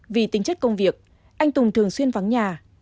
vì tính chất công việc anh tùng thường xuyên vắng nhà